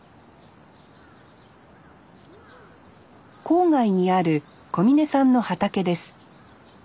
郊外にある小峯さんの畑です。